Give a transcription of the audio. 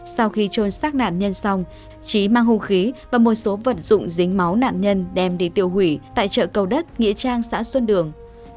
sau khi trôn xác nạn nhân xong trí mang hung khí và một số vật dụng dính máu nạn nhân đem đi tiêu hủy tại chợ cầu đất nghĩa trang xã xuân đường